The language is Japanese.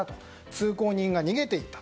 通行人が逃げて行った。